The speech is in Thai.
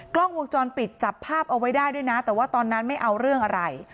กล้องวงจรปิดจับภาพเอาไว้ได้ด้วยนะแต่ว่าตอนนั้นไม่เอาเรื่องอะไร